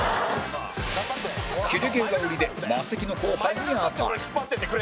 キレ芸が売りでマセキの後輩に当たる